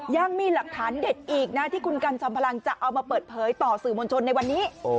ยังมีหลักฐานเด็ดอีกนะที่คุณกันจอมพลังจะเอามาเปิดเผยต่อสื่อมวลชนในวันนี้